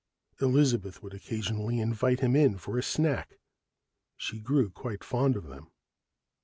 Elizabeth would occasionally invite him in for a snack she grew quite fond of them.